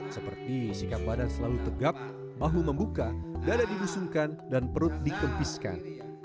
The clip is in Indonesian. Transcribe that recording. seperti sikap badan selalu tegap bahu membuka dada dibusungkan dan perut dikempiskan